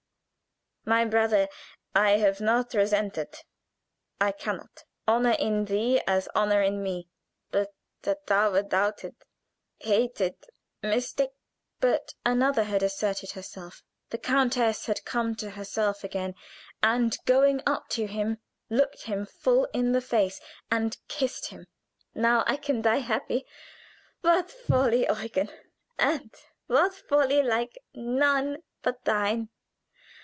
"My brother I have not resented. I could not. Honor in thee, as honor in me " "But that thou wert doubted, hated, mistak " But another had asserted herself. The countess had come to herself again, and going up to him, looked him full in the face and kissed him. "Now I can die happy! What folly, Eugen! and folly like none but thine.